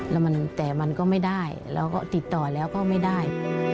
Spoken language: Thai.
แล้วมันแต่มันก็ไม่ได้เราก็ติดต่อแล้วก็ไม่ได้